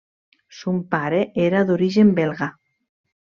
Son pare era d'origen belga.